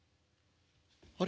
あれ？